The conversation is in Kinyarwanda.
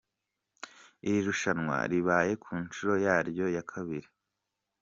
Iri rushanwa ribaye ku nshuro yaryo ya Kabiri.